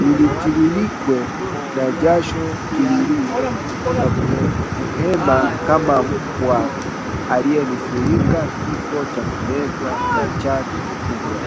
nitiririkwe na jasho tiriri na kuhema kama mbwa aliyenusurika kifo cha kumezwa na chatu mkubwa